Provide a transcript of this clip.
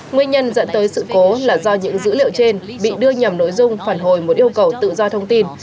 nguyên nhân dẫn tới sự cố là do những dữ liệu trên bị đưa nhầm nội dung phản hồi một yêu cầu tự do thông tin